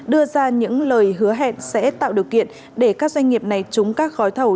đưa ra những lời hứa hẹn sẽ tạo điều kiện để các doanh nghiệp này trúng các gói thầu